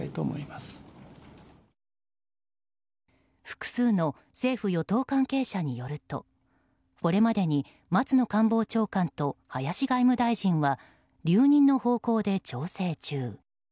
複数の政府・与党関係者によるとこれまでに松野官房長官と林外務大臣は留任の方向で調整中。